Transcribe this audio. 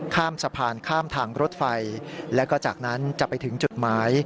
ข้ามสะพานข้ามทางรถไฟแล้วก็จากนั้นจะไปถึงจุดหมาย